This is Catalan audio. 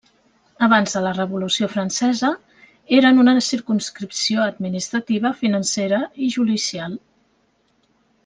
Abans de la Revolució francesa, eren una circumscripció administrativa, financera i judicial.